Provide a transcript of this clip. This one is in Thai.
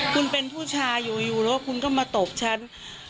คุณเป็นผู้ชายอยู่แล้วคุณก็มาตบฉัน